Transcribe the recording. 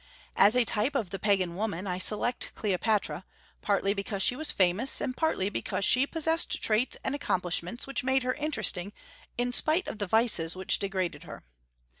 As a type of the Pagan woman I select Cleopatra, partly because she was famous, and partly because she possessed traits and accomplishments which made her interesting in spite of the vices which degraded her.